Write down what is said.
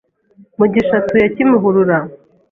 Mugisha atuye kimuhurura